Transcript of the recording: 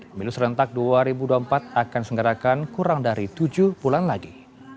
pemilu serentak dua ribu dua puluh empat akan segerakan kurang dari tujuh bulan lagi